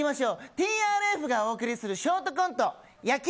ＴＲＦがお送りするショートコント野球。